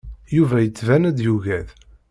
Yuba yettban-d yuggad.